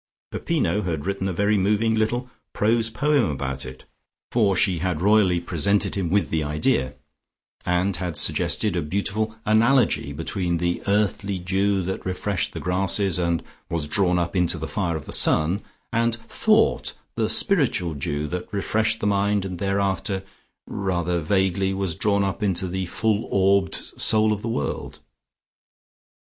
Peppino had written a very moving little prose poem about it, for she had royally presented him with the idea, and had suggested a beautiful analogy between the earthly dew that refreshed the grasses, and was drawn up into the fire of the Sun, and Thought the spiritual dew that refreshed the mind and thereafter, rather vaguely, was drawn up into the Full Orbed Soul of the World.